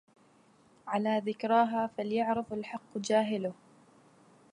على ذكرها فليعرف الحق جاهله